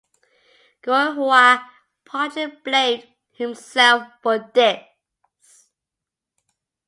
Guo Huai partly blamed himself for this.